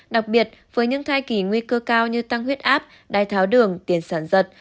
đặc biệt với những thai kỳ nguy cơ cao như tăng huyết áp đai tháo đường tiền sản giật